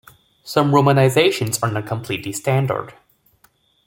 Some romanizations are not completely standard.